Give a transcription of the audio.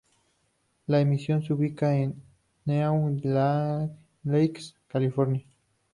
La emisora se ubica en Meadow Lakes, California.